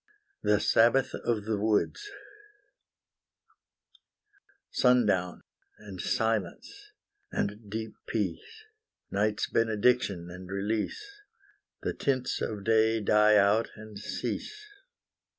THE SABBATH OF THE WOODS Sundown and silence and deep peace, Night's benediction and release; The tints of day die out and cease.